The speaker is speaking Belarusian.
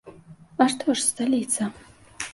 А што ж сталіца?